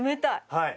はい。